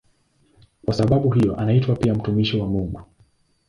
Kwa sababu hiyo anaitwa pia "mtumishi wa Mungu".